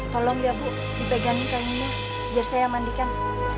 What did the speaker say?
tolong ya bu dipegangin kainnya biar saya mandikan